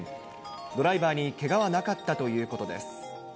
ドライバーにけがはなかったということです。